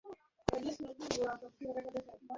আমার মতে উঁহাকে রাখা উচিত হয় না।